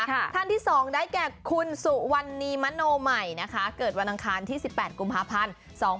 ของได้แก่คุณสุวรรณีมะโนใหม่นะคะเกิดวันอังคารที่๑๘กุมภาพันธ์๒๕๑๘